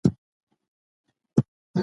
خوشحالي انسان ځوان ساتي.